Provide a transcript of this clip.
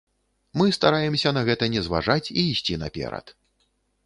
Мы стараемся на гэта не зважаць і ісці наперад.